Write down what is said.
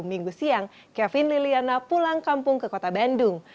minggu siang kevin liliana pulang kampung ke kota bandung